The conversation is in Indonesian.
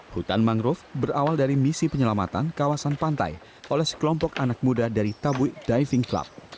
hutan mangrove berawal dari misi penyelamatan kawasan pantai oleh sekelompok anak muda dari tabui diving club